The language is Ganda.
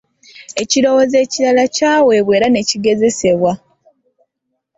Ekirowoozo ekirala kyaweebwa era ne kigezesebwa.